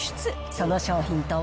その商品とは。